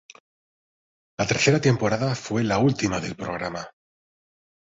La tercera temporada fue la última del programa.